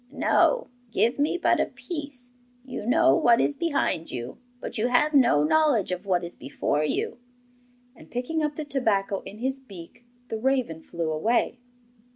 'No; give me but a piece. You know what is behind you, but you have no knowledge of what is before you.' And picking up the tobacco in his beak, the raven flew away.